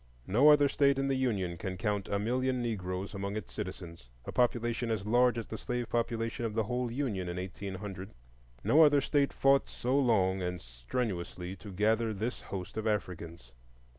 No other State in the Union can count a million Negroes among its citizens,—a population as large as the slave population of the whole Union in 1800; no other State fought so long and strenuously to gather this host of Africans.